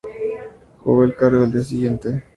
Juró el cargo al día siguiente.